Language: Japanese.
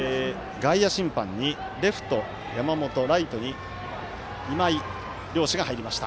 外野審判に、レフト、山本ライトに今井。両者が入りました。